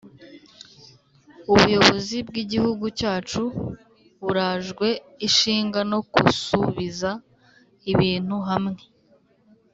Ubuyobozi bw’igihugu cyacu burajwe ishinga no kusubiza ibintu hamwe